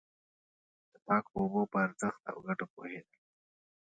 د پاکو اوبو په ارزښت او گټو پوهېدل.